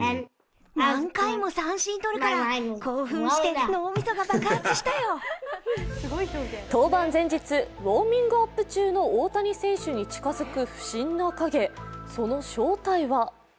まずは登板前日、ウォーミングアップ中の大谷選手に近づく不審な影、その正体は？